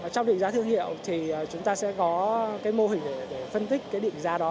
trong định giá thương hiệu thì chúng ta sẽ có cái mô hình để phân tích cái định giá đó